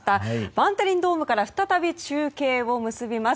バンデリンドームから再び中継を結びます。